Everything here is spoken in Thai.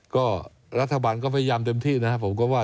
ก็รัฐบาลก็พยายามเต็มที่นะครับผมก็ว่า